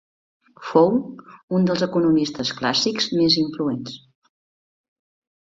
Fou un dels economistes clàssics més influents.